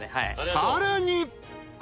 ［さらに］